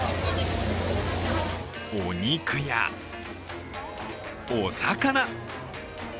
お肉や、お魚。